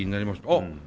あっ！